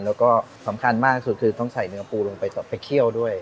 แล้วก็สำคัญมากที่สุดคือต้องใส่เนื้อปูลงไปต่อไปเคี่ยวด้วย